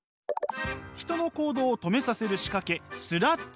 人の行動を止めさせる仕掛けスラッジとは？